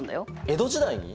江戸時代に？